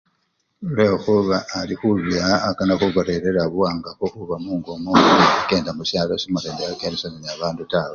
Lwekhuba alukhubeya akana khubarerera buwangafu khuba mungo mwowo ngo kenda khusyalo nga sorekeresyana nebabandu tawe.